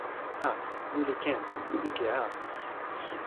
a. ni li ken. ike a.